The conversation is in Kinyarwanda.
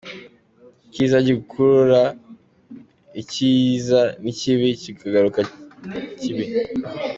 Ikiza gikurura ikiza n’ikibi kigakurura ikibi.